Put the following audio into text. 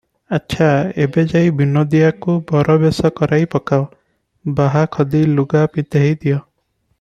"ଆଚ୍ଛା, ଏବେ ଯାଇ ବିନୋଦିଆକୁ ବରବେଶ କରାଇ ପକାଅ, ବାହା ଖଦି ଲୁଗା ପିନ୍ଧାଇ ଦିଅ ।"